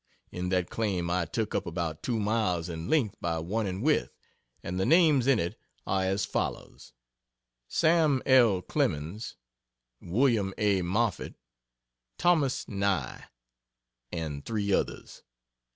In that claim I took up about two miles in length by one in width and the names in it are as follows: "Sam. L Clemens, Wm. A. Moffett, Thos. Nye" and three others.